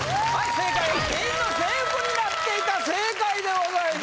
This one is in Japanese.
正解は店員の制服になっていたやった正解でございます